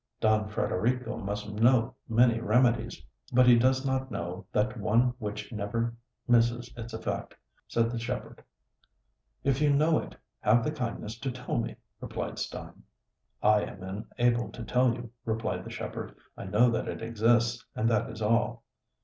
"Don Frederico must know many remedies, but he does not know that one which never misses its effect," said the shepherd. "If you know it, have the kindness to tell me," replied Stein. "I am unable to tell you," replied the shepherd. "I know that it exists, and that is all."